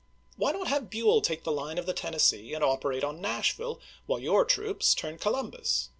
Why not have Buell take the line of [the] Tennes see and operate on Nashville, while your troops turn Columbus